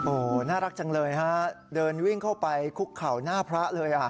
โอ้โหน่ารักจังเลยฮะเดินวิ่งเข้าไปคุกเข่าหน้าพระเลย